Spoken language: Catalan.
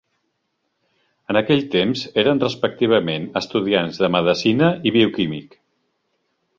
En aquell temps eren respectivament estudiants de medicina, i bioquímic.